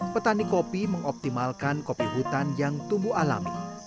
petani kopi mengoptimalkan kopi hutan yang tumbuh alami